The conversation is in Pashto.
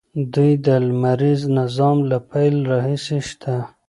دوی د لمریز نظام له پیل راهیسې شته.